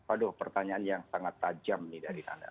aduh pertanyaan yang sangat tajam nih dari anda